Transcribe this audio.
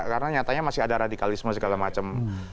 karena nyatanya masih ada radikalisme segala macam